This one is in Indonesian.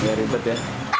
nggak ribet ya